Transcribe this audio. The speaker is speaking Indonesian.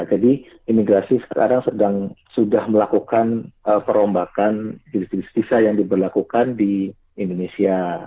jadi imigrasi sekarang sudah melakukan perombakan visa visa yang diberlakukan di indonesia